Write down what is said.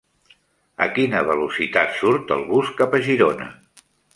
A quina velocitat surt el bus cap a Girona?